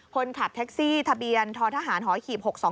คนขับแท็กซี่ทะเบียนททหารหอหีบ๖๒